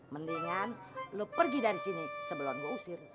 mendingan lo pergi dari sini sebelum gue usir